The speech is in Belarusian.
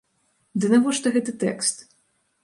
Ды навошта гэты тэкст?